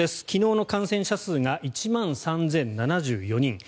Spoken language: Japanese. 昨日の感染者数が１万３０７４人。